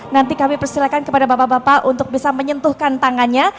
nanti kami persilahkan kepada bapak bapak untuk bisa menyentuhkan tangannya